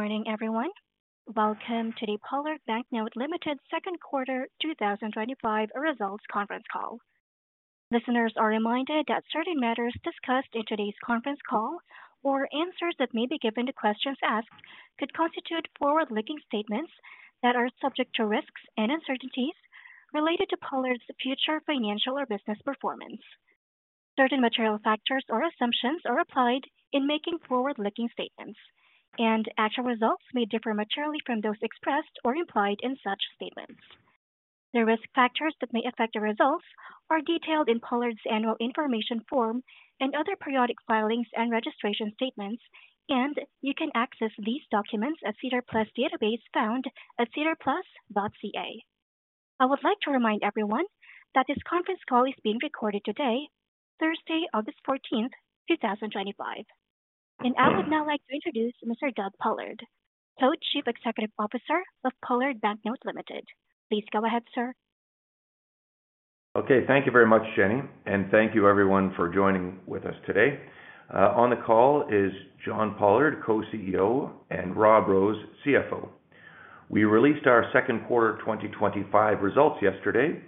Morning, everyone. Welcome to the Pollard Banknote Limited Second Quarter 2025 Results Conference Call. Listeners are reminded that certain matters discussed in today's conference call, or answers that may be given to questions asked, could constitute forward-looking statements that are subject to risks and uncertainties related to Pollard's future financial or business performance. Certain material factors or assumptions are applied in making forward-looking statements, and actual results may differ materially from those expressed or implied in such statements. The risk factors that may affect the results are detailed in Pollard's annual information form and other periodic filings and registration statements, and you can access these documents at SEDAR+ database found at sedarplus.ca. I would like to remind everyone that this conference call is being recorded today, Thursday, August 14, 2025. I would now like to introduce Mr. Doug Pollard, Co-Chief Executive Officer of Pollard Banknote Limited. Please go ahead, sir. Okay, thank you very much, Jenny, and thank you everyone for joining with us today. On the call is John Pollard, Co-CEO, and Rob Rose, CFO. We released our second quarter 2025 results yesterday.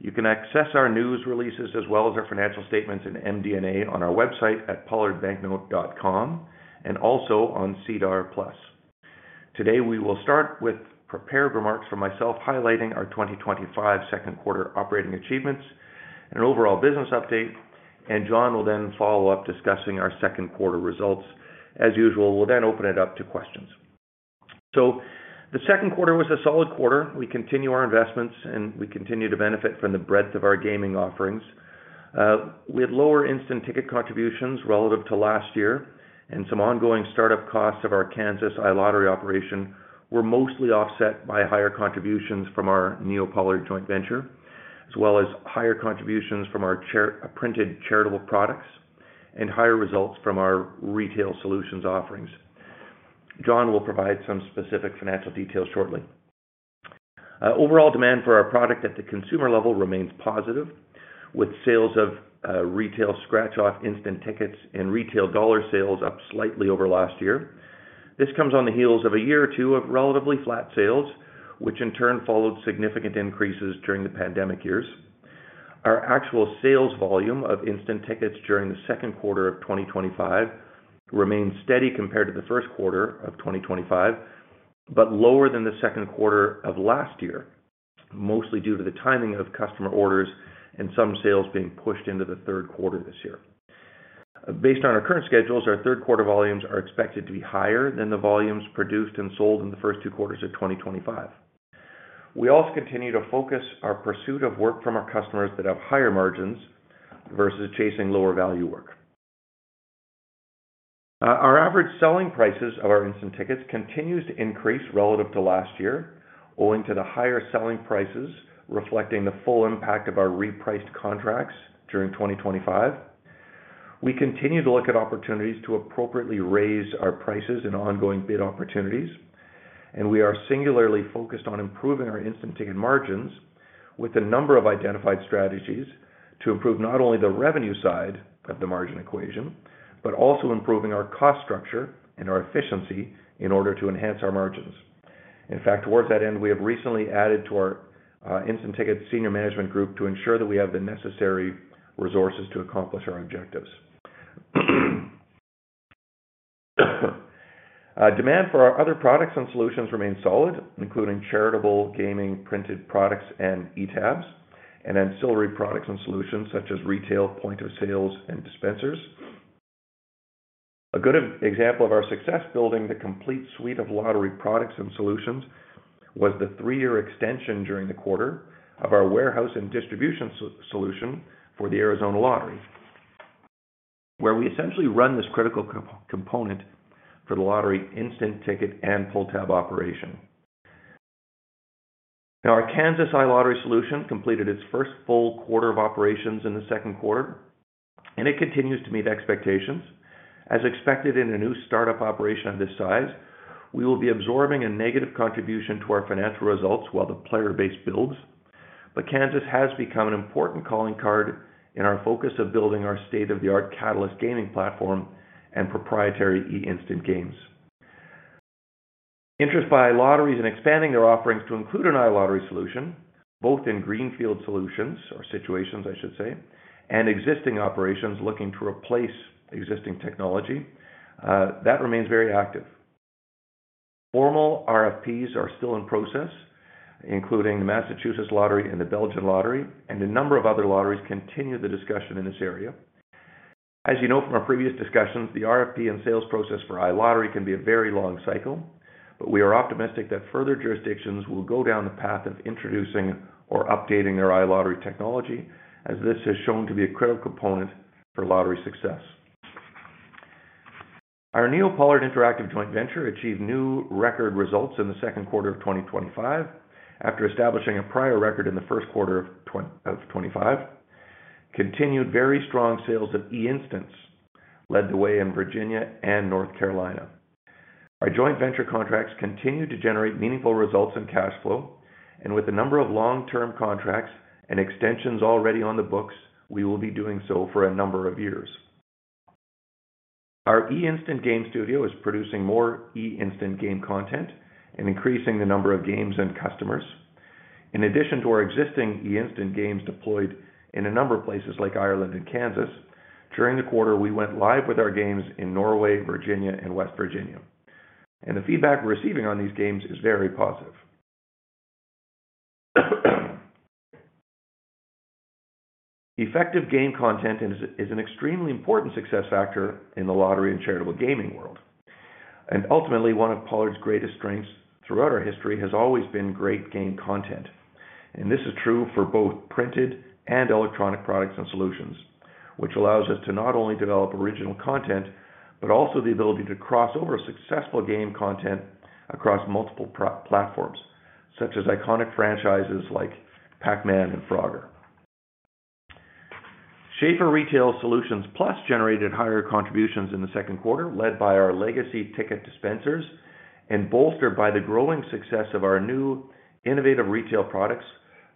You can access our news releases as well as our financial statements and MD&A on our website at pollardbanknote.com and also on Cedar Plus. Today, we will start with prepared remarks from myself highlighting our 2025 second quarter operating achievements and an overall business update, and John will then follow up discussing our second quarter results. As usual, we'll then open it up to questions. The second quarter was a solid quarter. We continue our investments, and we continue to benefit from the breadth of our gaming offerings. We had lower instant ticket contributions relative to last year, and some ongoing startup costs of our Kansas iLottery operation were mostly offset by higher contributions from our NeoPollard Interactive joint venture, as well as higher contributions from our printed charitable gaming products, and higher results from our retail solutions offerings. John will provide some specific financial details shortly. Overall demand for our product at the consumer level remains positive, with sales of retail scratch-off instant tickets and retail dollar sales up slightly over last year. This comes on the heels of a year or two of relatively flat sales, which in turn followed significant increases during the pandemic years. Our actual sales volume of instant tickets during the second quarter of 2025 remains steady compared to the first quarter of 2025, but lower than the second quarter of last year, mostly due to the timing of customer orders and some sales being pushed into the third quarter this year. Based on our current schedules, our third quarter volumes are expected to be higher than the volumes produced and sold in the first two quarters of 2025. We also continue to focus our pursuit of work from our customers that have higher margins versus chasing lower value work. Our average selling prices of our instant tickets continue to increase relative to last year, owing to the higher selling prices reflecting the full impact of our repriced contracts during 2025. We continue to look at opportunities to appropriately raise our prices in ongoing bid opportunities, and we are singularly focused on improving our instant ticket margins with a number of identified strategies to improve not only the revenue side of the margin equation, but also improving our cost structure and our efficiency in order to enhance our margins. In fact, towards that end, we have recently added to our instant ticket senior management group to ensure that we have the necessary resources to accomplish our objectives. Demand for our other products and solutions remains solid, including charitable gaming printed products and eTABs, and ancillary products and solutions such as retail point of sales and dispensers. A good example of our success building the complete suite of lottery products and solutions was the three-year extension during the quarter of our warehouse and distribution solution for the Arizona Lottery, where we essentially run this critical component for the lottery instant ticket and pull-tab operation. Our Kansas iLottery solution completed its first full quarter of operations in the second quarter, and it continues to meet expectations. As expected in a new startup operation of this size, we will be absorbing a negative contribution to our financial results while the player base builds, but Kansas has become an important calling card in our focus of building our state-of-the-art Catalyst gaming platform and proprietary eInstant games. Interest by iLottery is in expanding their offerings to include an iLottery solution, both in greenfield solutions, or situations I should say, and existing operations looking to replace existing technology. That remains very active. Formal RFPs are still in process, including the Massachusetts Lottery and the Belgian Lottery, and a number of other lotteries continue the discussion in this area. As you know from our previous discussion, the RFP and sales process for iLottery can be a very long cycle, but we are optimistic that further jurisdictions will go down the path of introducing or updating their iLottery technology, as this has shown to be a critical component for lottery success. Our NeoPollard Interactive joint venture achieved new record results in the second quarter of 2025 after establishing a prior record in the first quarter of 2025. Continued very strong sales of eInstant games led the way in Virginia and North Carolina. Our joint venture contracts continue to generate meaningful results and cash flow, and with a number of long-term contracts and extensions already on the books, we will be doing so for a number of years. Our eInstant game studio is producing more eInstant game content and increasing the number of games and customers. In addition to our existing eInstant games deployed in a number of places like Ireland and Kansas, during the quarter we went live with our games in Norway, Virginia, and West Virginia, and the feedback we're receiving on these games is very positive. Effective game content is an extremely important success factor in the lottery and charitable gaming world. Ultimately, one of Pollard's greatest strengths throughout our history has always been great game content. This is true for both printed and electronic products and solutions, which allows us to not only develop original content, but also the ability to cross over successful game content across multiple platforms, such as iconic franchises like Pac-Man and Frogger. Schafer Retail Solutions+ generated higher contributions in the second quarter, led by our legacy ticket dispensers and bolstered by the growing success of our new innovative retail products,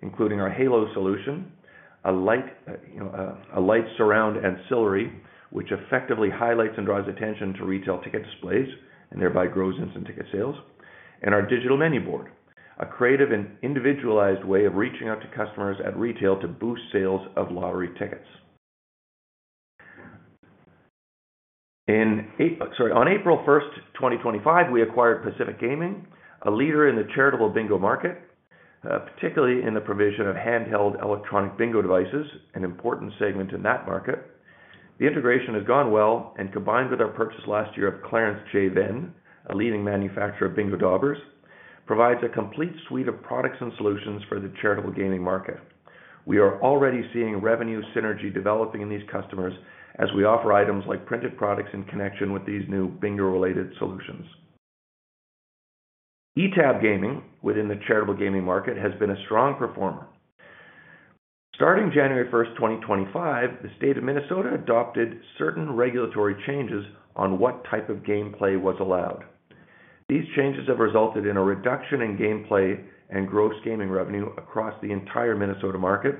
including our Halo solution, a light surround ancillary, which effectively highlights and draws attention to retail ticket displays and thereby grows instant ticket sales, and our digital menu boards, a creative and individualized way of reaching out to customers at retail to boost sales of lottery tickets. On April 1, 2025, we acquired Pacific Gaming, a leader in the charitable bingo market, particularly in the provision of handheld electronic bingo devices, an important segment in that market. The integration has gone well, and combined with our purchase last year of CJ Venne, a leading manufacturer of bingo daubers, provides a complete suite of products and solutions for the charitable gaming market. We are already seeing revenue synergy developing in these customers as we offer items like printed products in connection with these new bingo related solutions. eTAB gaming within the charitable gaming market has been a strong performer. Starting January 1, 2025, the State of Minnesota adopted certain regulatory changes on what type of gameplay was allowed. These changes have resulted in a reduction in gameplay and gross gaming revenue across the entire Minnesota market,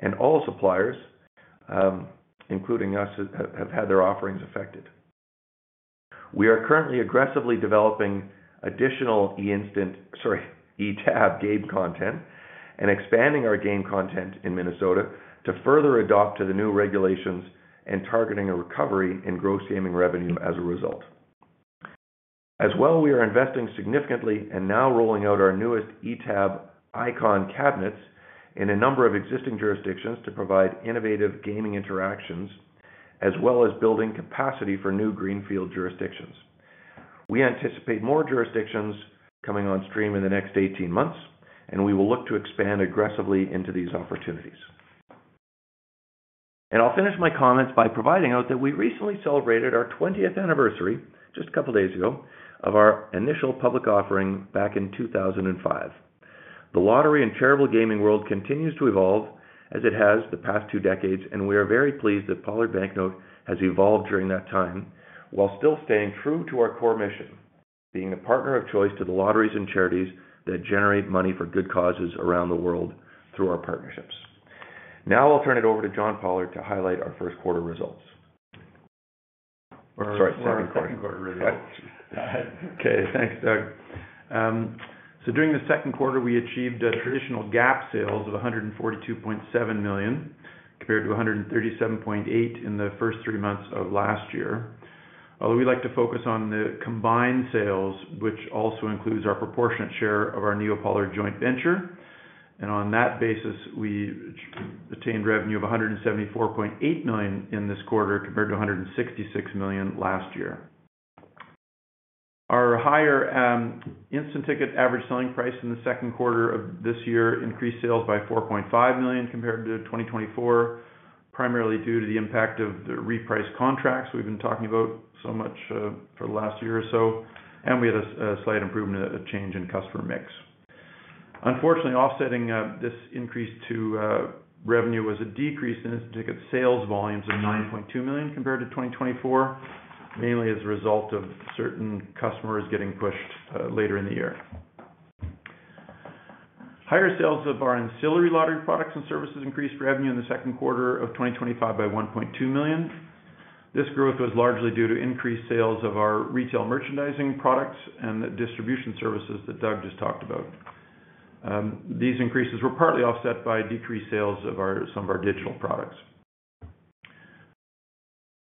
and all suppliers, including us, have had their offerings affected. We are currently aggressively developing additional eTAB game content and expanding our game content in Minnesota to further adapt to the new regulations and targeting a recovery in gross gaming revenue as a result. As well, we are investing significantly and now rolling out our newest eTAB icon cabinets in a number of existing jurisdictions to provide innovative gaming interactions, as well as building capacity for new greenfield jurisdictions. We anticipate more jurisdictions coming on stream in the next 18 months, and we will look to expand aggressively into these opportunities. I'll finish my comments by providing note that we recently celebrated our 20th anniversary, just a couple of days ago, of our initial public offering back in 2005. The lottery and charitable gaming world continues to evolve, as it has the past two decades, and we are very pleased that Pollard Banknote has evolved during that time, while still staying true to our core mission, being a partner of choice to the lotteries and charities that generate money for good causes around the world through our partnerships. Now I'll turn it over to John Pollard to highlight our first quarter results. Sorry, second quarter results. Okay, thanks, Doug. During the second quarter, we achieved traditional GAAP sales of $142.7 million compared to $137.8 million in the first three months of last year. Although we like to focus on the combined sales, which also includes our proportionate share of our NeoPollard Interactive joint venture, and on that basis, we attained revenue of $174.8 million in this quarter compared to $166 million last year. Our higher instant ticket average selling price in the second quarter of this year increased sales by $4.5 million compared to 2024, primarily due to the impact of the repriced contracts we've been talking about so much for the last year or so, and we had a slight improvement in a change in customer mix. Unfortunately, offsetting this increase to revenue was a decrease in instant ticket sales volumes of $9.2 million compared to 2024, mainly as a result of certain customers getting pushed later in the year. Higher sales of our ancillary lottery products and services increased revenue in the second quarter of 2025 by $1.2 million. This growth was largely due to increased sales of our retail merchandising products and distribution services that Doug just talked about. These increases were partly offset by decreased sales of some of our digital products.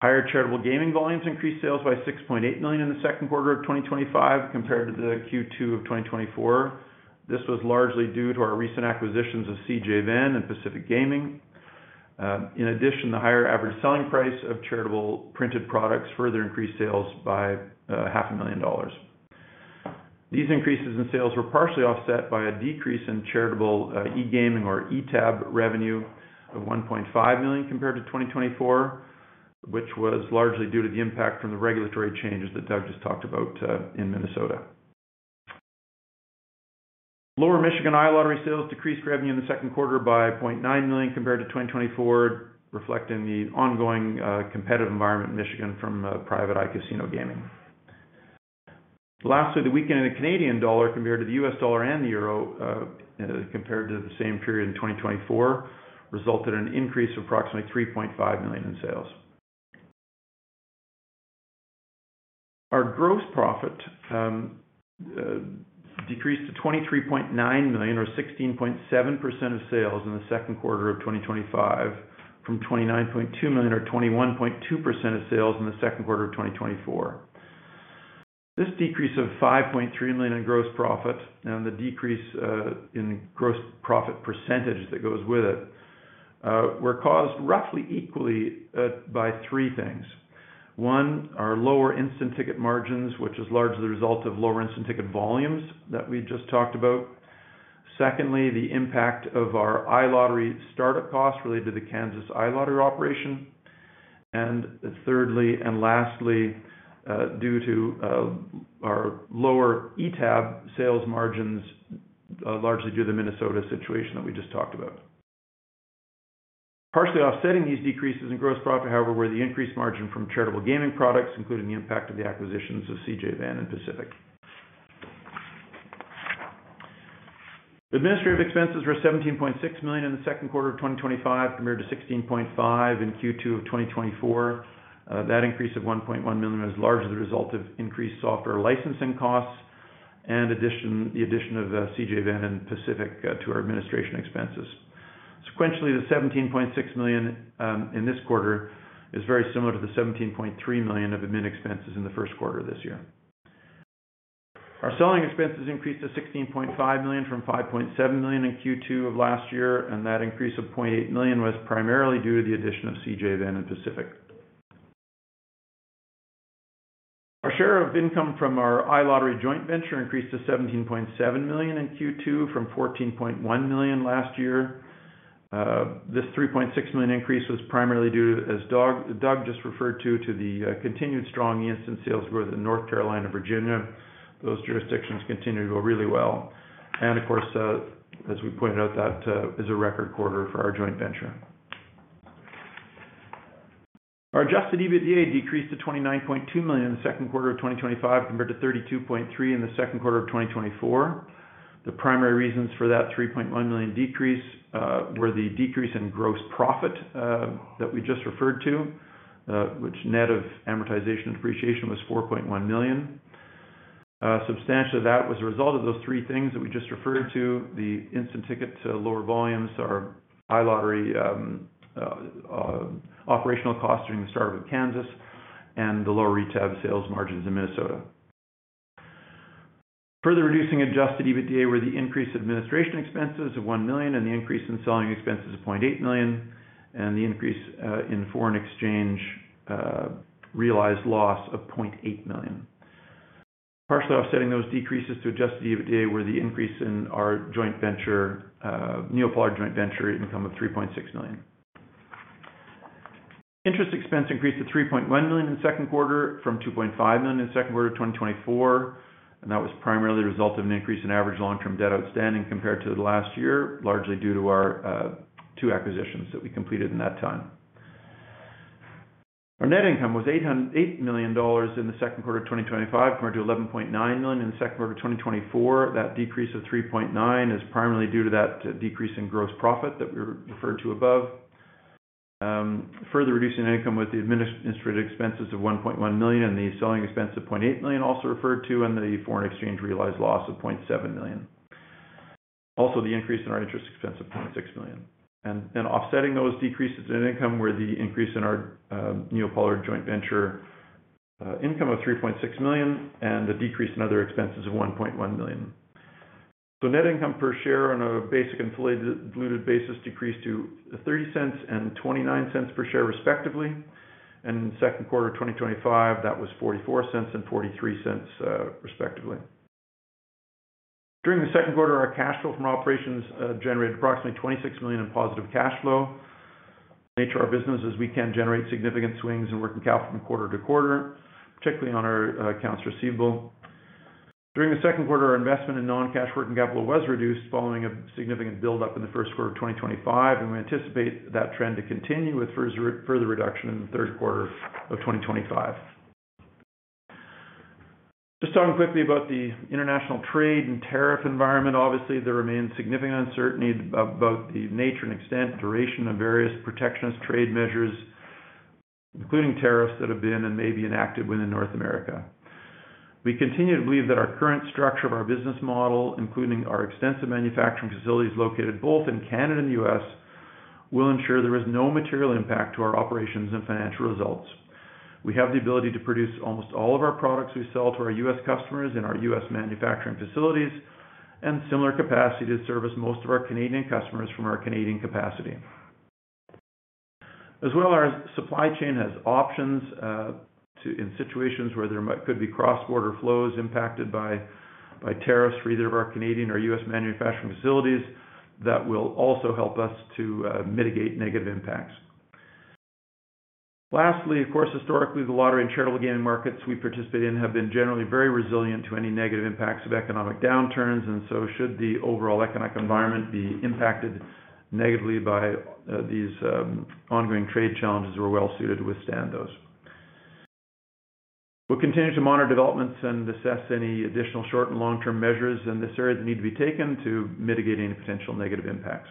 Higher charitable gaming volumes increased sales by $6.8 million in the second quarter of 2025 compared to Q2 of 2024. This was largely due to our recent acquisitions of CJ Venn and Pacific Gaming. In addition, the higher average selling price of charitable printed products further increased sales by $0.5 million. These increases in sales were partially offset by a decrease in charitable e-gaming or eTAB revenue of $1.5 million compared to 2024, which was largely due to the impact from the regulatory changes that Doug just talked about in Minnesota. Lower Michigan iLottery sales decreased revenue in the second quarter by $0.9 million compared to 2024, reflecting the ongoing competitive environment in Michigan from private iCasino gaming. Lastly, the weakening in the Canadian dollar compared to the U.S. dollar and the euro compared to the same period in 2024 resulted in an increase of approximately $3.5 million in sales. Our gross profit decreased to $23.9 million or 16.7% of sales in the second quarter of 2025, from $29.2 million or 21.2% of sales in the second quarter of 2024. This decrease of $5.3 million in gross profit and the decrease in gross profit percentage that goes with it were caused roughly equally by three things. One, our lower instant ticket margins, which is largely the result of lower instant ticket volumes that we just talked about. Secondly, the impact of our iLottery startup costs related to the Kansas iLottery operation. Thirdly, and lastly, due to our lower eTAB sales margins, largely due to the Minnesota situation that we just talked about. Partially offsetting these decreases in gross profit, however, were the increased margin from charitable gaming products, including the impact of the acquisitions of CJ Venne and Pacific. Administrative expenses were $17.6 million in the second quarter of 2025, compared to $16.5 million in Q2 of 2024. That increase of $1.1 million was largely the result of increased software licensing costs and the addition of CJ Venn and Pacific to our administration expenses. Sequentially, the $17.6 million in this quarter is very similar to the $17.3 million of admin expenses in the first quarter of this year. Our selling expenses increased to $16.5 million from $15.7 million in Q2 of last year, and that increase of $0.8 million was primarily due to the addition of CJ Venne and Pacific Gaming. Our share of income from our iLottery joint venture increased to $17.7 million in Q2 from $14.1 million last year. This $3.6 million increase was primarily due to, as Doug just referred to, the continued strong instant sales growth in North Carolina and Virginia. Those jurisdictions continue to go really well. Of course, as we pointed out, that is a record quarter for our joint venture. Our adjusted EBITDA decreased to $29.2 million in the second quarter of 2025, compared to $32.3 million in the second quarter of 2024. The primary reasons for that $3.1 million decrease were the decrease in gross profit that we just referred to, which net of amortization and depreciation was $4.1 million. Substantially, that was a result of those three things that we just referred to: the instant ticket lower volumes, our iLottery operational costs during the startup in Kansas, and the lower eTAB sales margins in Minnesota. Further reducing adjusted EBITDA were the increase in administration expenses of $1 million, the increase in selling expenses of $0.8 million, and the increase in foreign exchange realized loss of $0.8 million. Partially offsetting those decreases to adjusted EBITDA were the increase in our NeoPollard Interactive joint venture income of $3.6 million. Interest expense increased to $3.1 million in the second quarter from $2.5 million in the second quarter of 2024, and that was primarily the result of an increase in average long-term debt outstanding compared to last year, largely due to our two acquisitions that we completed in that time. Our net income was $8 million in the second quarter of 2025, compared to $11.9 million in the second quarter of 2024. That decrease of $3.9 million is primarily due to that decrease in gross profit that we referred to above. Further reducing income were the administrative expenses of $1.1 million, the selling expense of $0.8 million also referred to, and the foreign exchange realized loss of $0.7 million. Also, the increase in our interest expense of $0.6 million. Offsetting those decreases in income were the increase in our NeoPollard Interactive joint venture income of $3.6 million and the decrease in other expenses of $1.1 million. The net income per share on a basic and fully diluted basis decreased to $0.30 and $0.29 per share, respectively. In the second quarter of 2025, that was $0.44 and $0.43, respectively. During the second quarter, our cash flow from operations generated approximately $26 million in positive cash flow. The nature of our business is we can generate significant swings in working capital from quarter to quarter, particularly on our accounts receivable. During the second quarter, our investment in non-cash working capital was reduced following a significant buildup in the first quarter of 2025, and we anticipate that trend to continue with further reduction in the third quarter of 2025. Just talking quickly about the international trade and tariff environment, obviously there remains significant uncertainty about the nature and extent and duration of various protectionist trade measures, including tariffs that have been and may be enacted within North America. We continue to believe that our current structure of our business model, including our extensive manufacturing facilities located both in Canada and the U.S., will ensure there is no material impact to our operations and financial results. We have the ability to produce almost all of our products we sell to our U.S. customers in our U.S. manufacturing facilities and similar capacity to service most of our Canadian customers from our Canadian capacity. As well, our supply chain has options in situations where there could be cross-border flows impacted by tariffs for either of our Canadian or U.S. manufacturing facilities that will also help us to mitigate negative impacts. Lastly, of course, historically, the lottery and charitable gaming markets we participate in have been generally very resilient to any negative impacts of economic downturns, and should the overall economic environment be impacted negatively by these ongoing trade challenges, we're well suited to withstand those. We will continue to monitor developments and assess any additional short and long-term measures in this area that need to be taken to mitigate any potential negative impacts.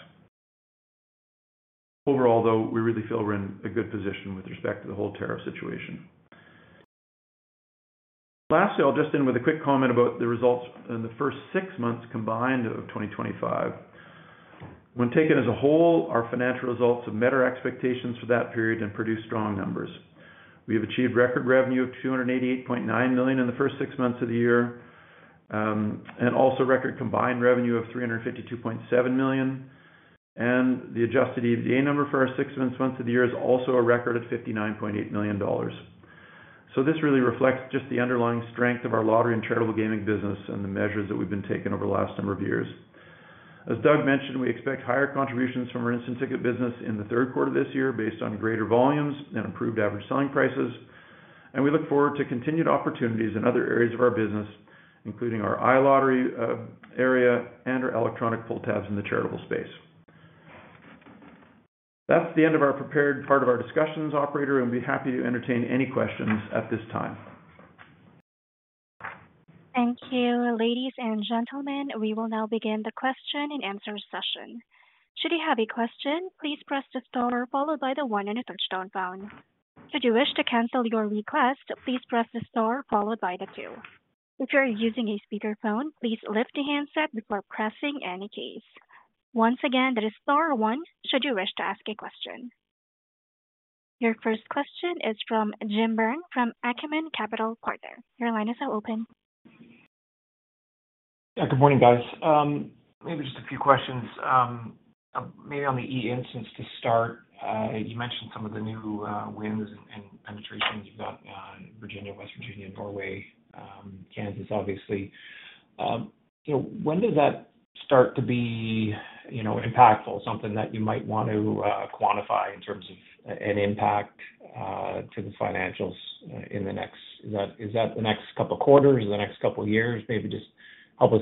Overall, though, we really feel we're in a good position with respect to the whole tariff situation. Lastly, I'll just end with a quick comment about the results in the first six months combined of 2025. When taken as a whole, our financial results have met our expectations for that period and produced strong numbers. We have achieved record revenue of $288.9 million in the first six months of the year, and also record combined revenue of $352.7 million. The adjusted EBITDA number for our six months of the year is also a record at $59.8 million. This really reflects just the underlying strength of our lottery and charitable gaming business and the measures that we've been taking over the last number of years. As Doug mentioned, we expect higher contributions from our instant ticket business in the third quarter of this year based on greater volumes and improved average selling prices. We look forward to continued opportunities in other areas of our business, including our iLottery area and our electronic pull-tabs in the charitable space. That's the end of our prepared part of our discussions, operator, and we'd be happy to entertain any questions at this time. Thank you, ladies and gentlemen. We will now begin the question-and-answer session. Should you have a question, please press the star followed by the one on the touch-tone phone. Should you wish to cancel your request, please press the star followed by the two. If you are using a speaker phone, please lift the handset before pressing any keys. Once again, that is star, one should you wish to ask a question. Your first question is from Jim Byrne from Acumen Capital Finance Partners Limited. Your line is now open. Yeah, good morning guys. Maybe just a few questions. Maybe on the eInstant to start, you mentioned some of the new wins and penetration you've got in Virginia, West Virginia, Norway, Kansas obviously. You know, when does that start to be impactful, something that you might want to quantify in terms of an impact to the financials in the next, is that the next couple of quarters, the next couple of years, maybe just help us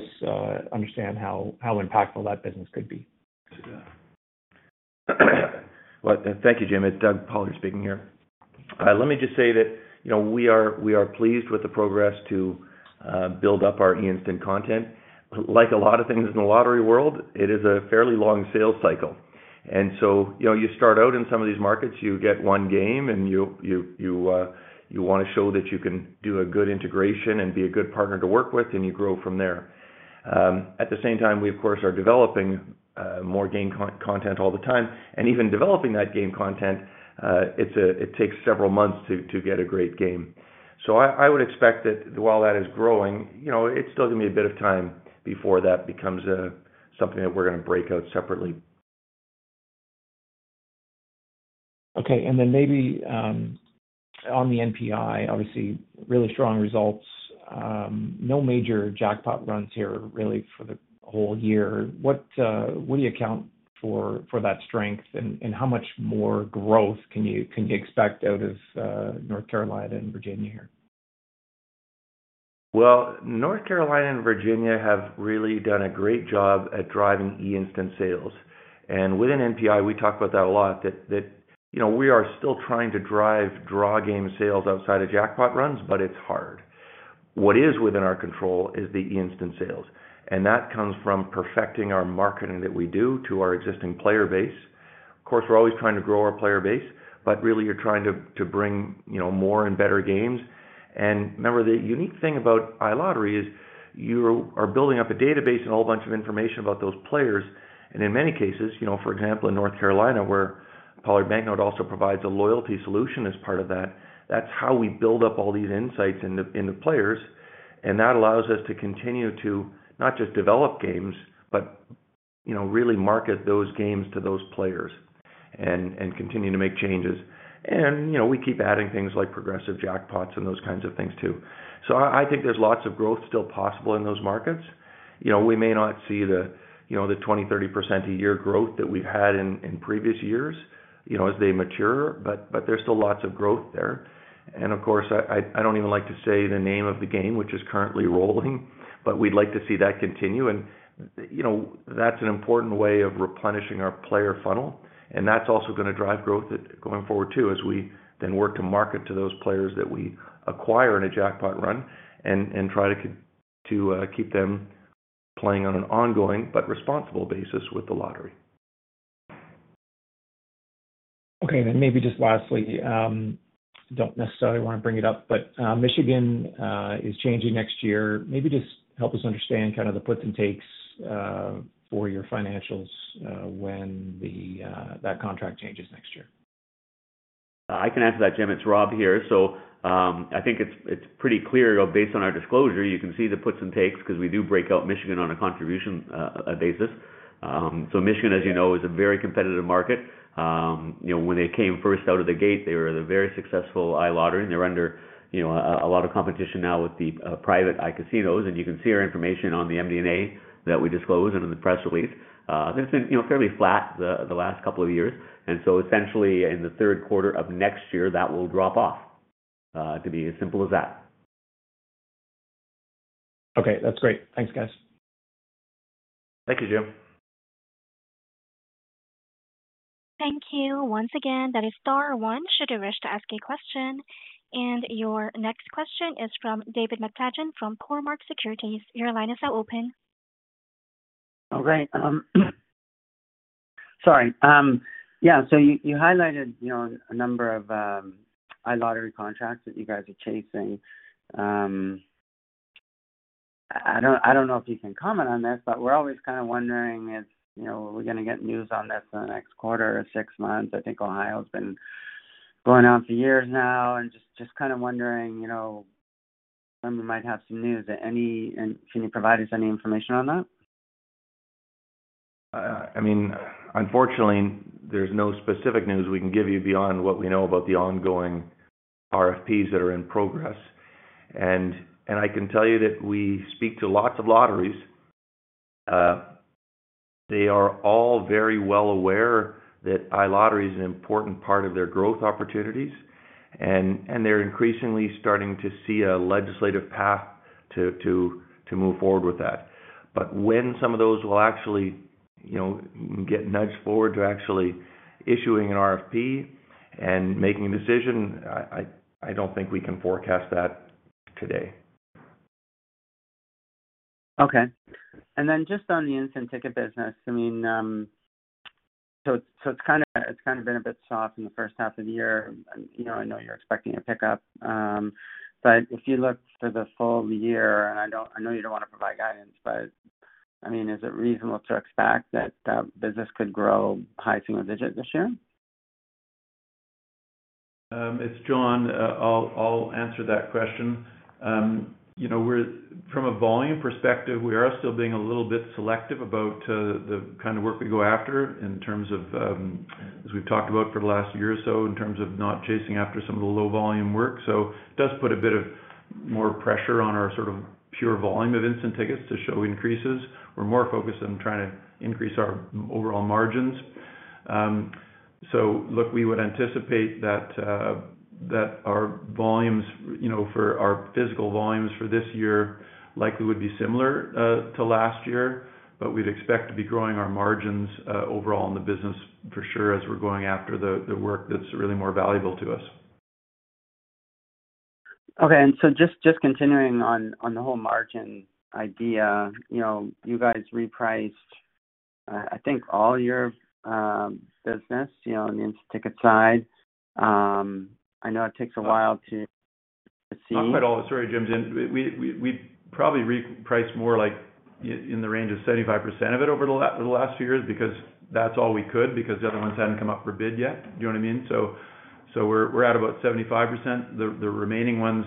understand how impactful that business could be. Thank you, Jim. It's Doug Pollard speaking here. Let me just say that we are pleased with the progress to build up our eInstant content. Like a lot of things in the lottery world, it is a fairly long sales cycle. You start out in some of these markets, you get one game and you want to show that you can do a good integration and be a good partner to work with, and you grow from there. At the same time, we, of course, are developing more game content all the time. Even developing that game content, it takes several months to get a great game. I would expect that while that is growing, it's still going to be a bit of time before that becomes something that we're going to break out separately. Okay, and then maybe on the NPI, obviously really strong results. No major jackpot runs here really for the whole year. What do you account for that strength, and how much more growth can you expect out of North Carolina and Virginia here? North Carolina and Virginia have really done a great job at driving eInstant sales. Within NeoPollard Interactive, we talked about that a lot, that, you know, we are still trying to drive draw game sales outside of jackpot runs, but it's hard. What is within our control is the eInstant sales. That comes from perfecting our marketing that we do to our existing player base. Of course, we're always trying to grow our player base, but really you're trying to bring, you know, more and better games. Remember, the unique thing about iLottery is you are building up a database and a whole bunch of information about those players. In many cases, for example, in North Carolina, where Pollard Banknote also provides a loyalty solution as part of that, that's how we build up all these insights into players. That allows us to continue to not just develop games, but, you know, really market those games to those players and continue to make changes. We keep adding things like progressive jackpots and those kinds of things too. I think there's lots of growth still possible in those markets. We may not see the, you know, the 20%, 30% a year growth that we've had in previous years, as they mature, but there's still lots of growth there. Of course, I don't even like to say the name of the game, which is currently rolling, but we'd like to see that continue. That's an important way of replenishing our player funnel. That's also going to drive growth going forward too, as we then work to market to those players that we acquire in a jackpot run and try to keep them playing on an ongoing but responsible basis with the lottery. Okay, then maybe just lastly, I don't necessarily want to bring it up, but Michigan is changing next year. Maybe just help us understand kind of the puts and takes for your financials when that contract changes next year. I can answer that, Jim. It's Rob here. I think it's pretty clear, based on our disclosure, you can see the puts and takes because we do break out Michigan on a contribution basis. Michigan, as you know, is a very competitive market. When they came first out of the gate, they were a very successful iLottery, and they're under a lot of competition now with the private iCasinos. You can see our information on the MD&A that we disclose and in the press release. They've been fairly flat the last couple of years. Essentially, in the third quarter of next year, that will drop off. To be as simple as that. Okay, that's great. Thanks, guys. Thank you, Jim. Thank you. Once again, that is Star, one should you wish to ask a question. Your next question is from David McFadgen from Cormark Securities. Your line is now open. Oh, great. Yeah, so you highlighted, you know, a number of iLottery contracts that you guys are chasing. I don't know if you can comment on this, but we're always kind of wondering if, you know, are we going to get news on this in the next quarter or six months? I think Ohio's been going on for years now and just kind of wondering, you know, someone might have some news. Can you provide us any information on that? Unfortunately, there's no specific news we can give you beyond what we know about the ongoing RFPs that are in progress. I can tell you that we speak to lots of lotteries. They are all very well aware that iLottery is an important part of their growth opportunities, and they're increasingly starting to see a legislative path to move forward with that. When some of those will actually get nudged forward to actually issuing an RFP and making a decision, I don't think we can forecast that today. Okay. Just on the instant ticket business, it's kind of been a bit soft in the first half of the year. I know you're expecting a pickup. If you look for the full year, and I know you don't want to provide guidance, is it reasonable to expect that the business could grow high single digits this year? It's John. I'll answer that question. You know, from a volume perspective, we are still being a little bit selective about the kind of work we go after in terms of, as we've talked about for the last year or so, in terms of not chasing after some of the low volume work. It does put a bit more pressure on our sort of pure volume of instant tickets to show increases. We're more focused on trying to increase our overall margins. Look, we would anticipate that our volumes, you know, our physical volumes for this year likely would be similar to last year, but we'd expect to be growing our margins overall in the business for sure as we're going after the work that's really more valuable to us. Okay, just continuing on the whole margin idea, you know, you guys repriced, I think, all your business, you know, on the instant ticket side. I know it takes a while to see. I'll cut all this right, Jim. We probably repriced more like in the range of 75% of it over the last few years because that's all we could because the other ones hadn't come up for bid yet. Do you know what I mean? We're at about 75%. The remaining ones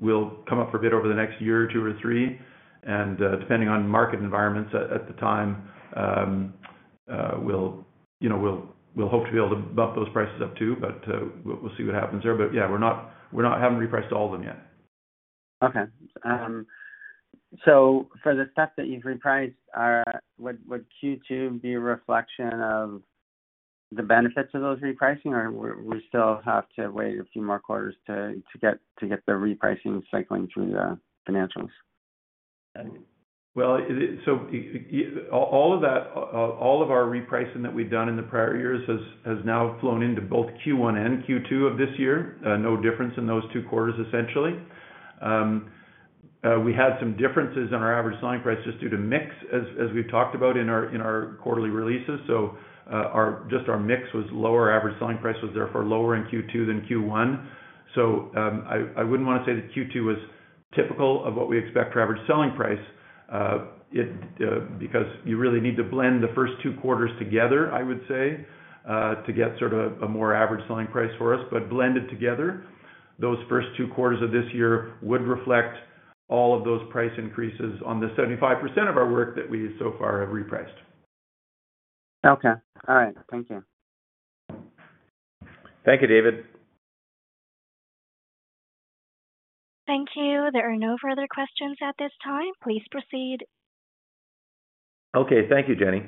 will come up for bid over the next year or two or three, and depending on market environments at the time, we'll hope to be able to bump those prices up too, but we'll see what happens there. Yeah, we're not having repriced all of them yet. Okay. For the stuff that you've repriced, would Q2 be a reflection of the benefits of those repricing, or would we still have to wait a few more quarters to get the repricing cycling through the financials? All of our repricing that we've done in the prior years has now flown into both Q1 and Q2 of this year. No difference in those two quarters, essentially. We had some differences in our average selling price just due to mix, as we've talked about in our quarterly releases. Just our mix was lower. Our average selling price was therefore lower in Q2 than Q1. I wouldn't want to say that Q2 was typical of what we expect for average selling price, because you really need to blend the first two quarters together, I would say, to get sort of a more average selling price for us. Blended together, those first two quarters of this year would reflect all of those price increases on the 75% of our work that we so far have repriced. Okay. All right. Thank you. Thank you, David. Thank you. There are no further questions at this time. Please proceed. Okay, thank you, Jenny.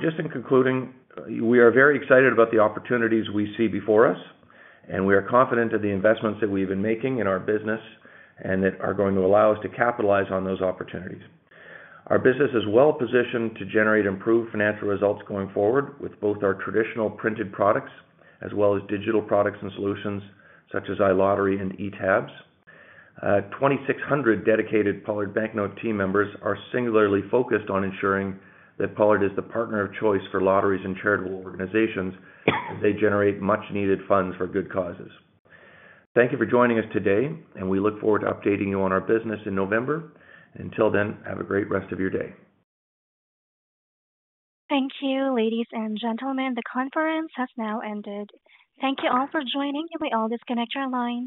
Just in concluding, we are very excited about the opportunities we see before us, and we are confident of the investments that we've been making in our business and that are going to allow us to capitalize on those opportunities. Our business is well-positioned to generate improved financial results going forward with both our traditional printed products as well as digital products and solutions such as iLottery and eTABs. 2,600 dedicated Pollard Banknote team members are singularly focused on ensuring that Pollard is the partner of choice for lotteries and charitable organizations as they generate much-needed funds for good causes. Thank you for joining us today, and we look forward to updating you on our business in November. Until then, have a great rest of your day. Thank you, ladies and gentlemen. The conference has now ended. Thank you all for joining. Can we all disconnect our lines?